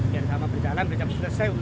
biar sama berjalan berjalan selesai